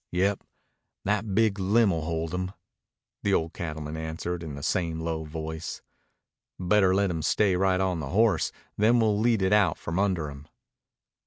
"Yep. That big limb'll hold him," the old cattleman answered in the same low voice. "Better let him stay right on the horse, then we'll lead it out from under him."